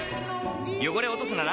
汚れを落とすなら？